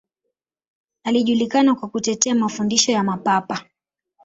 Alijulikana kwa kutetea mafundisho ya Mapapa.